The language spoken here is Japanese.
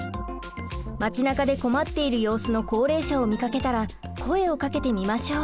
街なかで困っている様子の高齢者を見かけたら声をかけてみましょう。